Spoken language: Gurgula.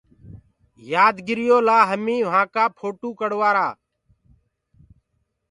يآدگِريو لآ همي وهآنٚ ڪا ڦوٽو ڪڙوآرآ۔